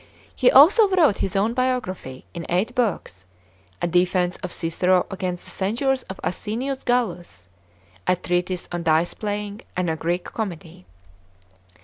He also wrote his own biography, in eight Books ; a defence of Cicero against the censures of Asinius Gallus ; a treatise on dice playing, and a Greek comedy.